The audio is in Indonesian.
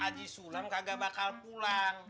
haji sulam kagak bakal pulang